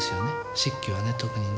漆器はね特にね。